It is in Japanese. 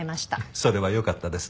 それはよかったです。